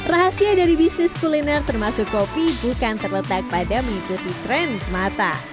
rahasia dari bisnis kuliner termasuk kopi bukan terletak pada mengikuti tren semata